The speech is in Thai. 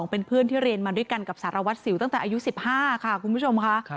เป็นเพื่อนที่เรียนมาด้วยกันกับสารวัตรสิวตั้งแต่อายุ๑๕ค่ะคุณผู้ชมค่ะ